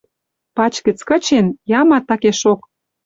Пач гӹц кычен — ямат такешок!